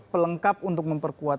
pelengkap untuk memperkuat